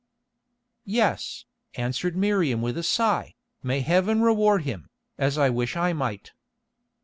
"Yes," answered Miriam with a sigh, "may Heaven reward him, as I wish I might."